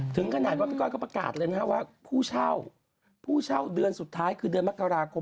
ถึงขนาดว่าพี่ก้อยเขาประกาศเลยนะฮะว่าผู้เช่าผู้เช่าเดือนสุดท้ายคือเดือนมกราคม